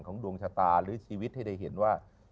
ดวงชะตาหรือชีวิตให้ได้เห็นว่า